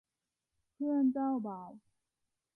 เพื่อนเจ้าบ่าว